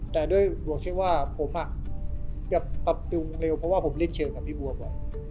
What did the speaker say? แต่ด้วยบวกเชื่อว่าผมจะปรับปรุงเร็วเพราะว่าผมเล่นเชิงกับพี่บัวบ่อย